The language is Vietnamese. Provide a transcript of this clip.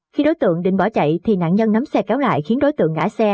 khi đối tượng định bỏ chạy thì nạn nhân nấm xe kéo lại khiến đối tượng ngã xe